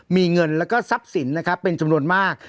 มีเงินแล้วก็ทรัพย์สินนะครับเป็นจำนวนมาก